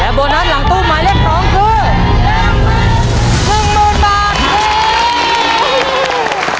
และโบนัสหลังตู้หมายเลขสองคือ